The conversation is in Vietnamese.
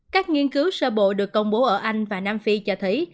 các nghiên cứu sơ bộ được công bố ở anh và nam phi cho thấy